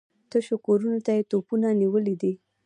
تشو کورونو ته يې توپونه نيولي دي.